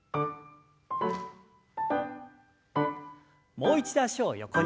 もう一度脚を横に。